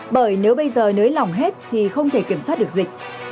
bởi nếu bây giờ nới lỏng hết thì không thể kiểm soát được dịch